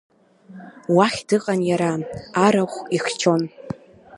Уахь дыҟан иара, арахә ихьчон.